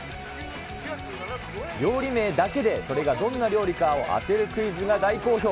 料理名だけで、それがどんな料理かを当てるクイズが大好評。